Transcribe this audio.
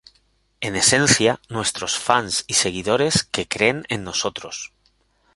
En esencia, nuestros fans y seguidores que creen en nosotros".